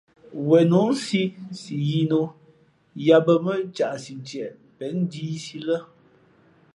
Wen nǒ nsī si yīī nō yāā bᾱ mά caʼsi ntieʼ pěn njīīsī lά.